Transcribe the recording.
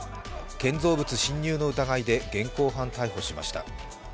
建造物侵入の疑いで現行犯逮捕しました。